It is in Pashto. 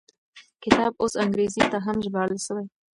کتاب اوس انګریزي ته هم ژباړل شوی.